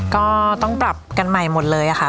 ก็ต้องปรับกันใหม่หมดเลยค่ะ